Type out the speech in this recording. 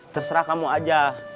terserah kamu aja